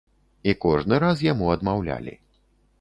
І кожны раз яму адмаўлялі.